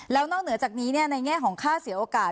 แล้วนอกเหนือจากนี้ในแง่ของค่าเสียโอกาส